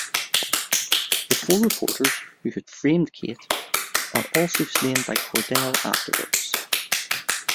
The four reporters who had framed Kate are also slain by Cordell afterwards.